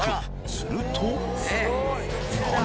すると何！？